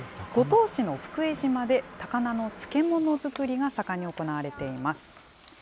五島市の福江島で、高菜の漬物作りが盛んに行われています。